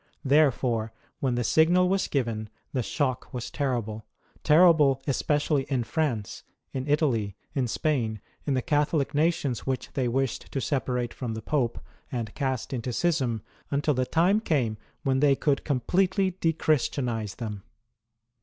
Therefore, when the signal was given, the shock was terrible, terrible especially in France, in Italy, in Spain, in the Catholic nations which they wished to separate from the Pope and cast into schism, until the time came when they could completely de Christianize them.